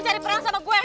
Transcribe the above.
cari masalah sama gue